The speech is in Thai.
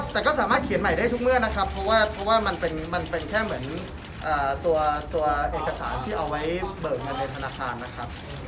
แต่ก็สามารถเขียนใหม่ได้ทุกเมื่อนะครับเพราะว่ามันเป็นแค่เหมือนตัวเอกสารที่เอาไว้เบิกเงินในธนาคารนะครับ